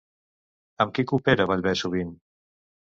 Amb qui coopera Ballbè sovint?